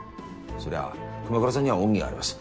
そりゃあ熊倉さんには恩義があります。